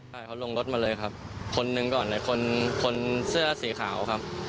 เขาลงรถมาเลยครับคนนึงก่อนคนเสื้อสีขาวครับ